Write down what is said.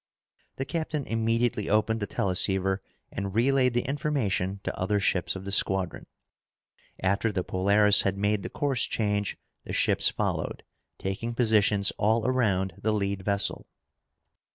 The captain immediately opened the teleceiver and relayed the information to other ships of the squadron. After the Polaris had made the course change, the ships followed, taking positions all around the lead vessel.